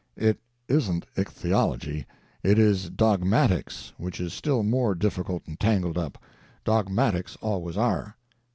"It isn't ichthyology; it is dogmatics, which is still more difficult and tangled up. Dogmatics always are."